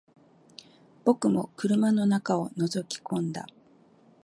僕も車の中を覗き込んだ